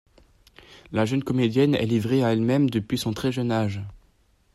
La jeune comédienne est livrée à elle-même depuis son très jeune âge.